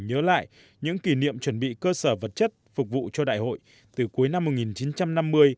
nhớ lại những kỷ niệm chuẩn bị cơ sở vật chất phục vụ cho đại hội từ cuối năm một nghìn chín trăm năm mươi